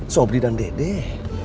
sobri dan dedeh